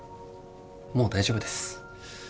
もう大丈夫です。